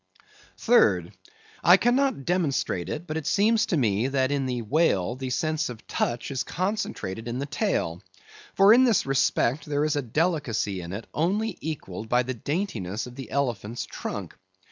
Third: I cannot demonstrate it, but it seems to me, that in the whale the sense of touch is concentrated in the tail; for in this respect there is a delicacy in it only equalled by the daintiness of the elephant's trunk.